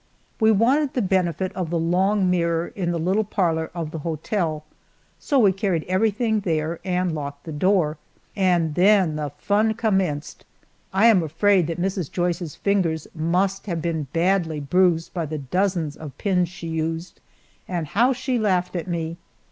We wanted the benefit of the long mirror in the little parlor of the hotel, so we carried everything there and locked the door. And then the fun commenced! I am afraid that Mrs. Joyce's fingers must have been badly bruised by the dozens of pins she used, and how she laughed at me!